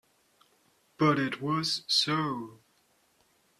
But it was so.